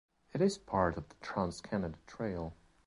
It is part of the Trans Canada Trail.